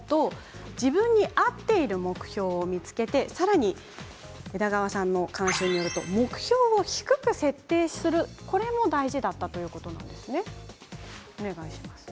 自分に合っている目標を見つけてさらに、枝川さんの監修によると目標を低く設定するということも大事だそうですね。